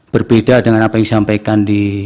berbeda dengan apa yang disampaikan di